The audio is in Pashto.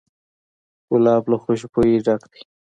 ګلاب له خوشبویۍ ډک دی.